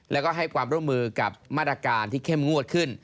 แล้วก็ให้ความร่วมมือกับมาตรการที่เข้มงวดขึ้น